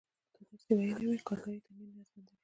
که دې درس ویلی وای، کارګرۍ ته نه نیازمنده وې.